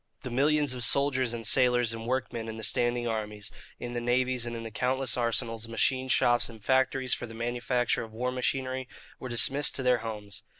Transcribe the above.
The millions of soldiers and sailors and workmen in the standing armies, in the navies, and in the countless arsenals, machine shops, and factories for the manufacture of war machinery, were dismissed to their homes.